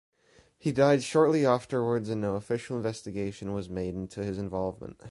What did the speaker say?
He died shortly afterwards and no official investigation was made into his involvement.